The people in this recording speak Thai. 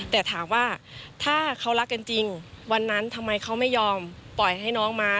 แต่ถามว่าถ้าเขารักกันจริงวันนั้นทำไมเขาไม่ยอมปล่อยให้น้องมา